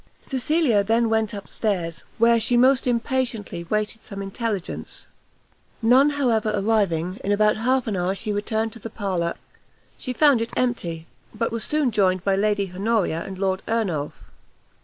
Cecilia then went up stairs, where she most impatiently waited some intelligence; none, however, arriving, in about half an hour she returned to the parlour; she found it empty, but was soon joined by Lady Honoria and Lord Ernolf.